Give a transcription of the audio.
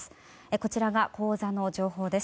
こちらが口座の情報です。